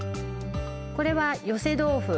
これは寄せ豆腐